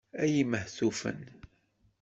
Ay imehtufen!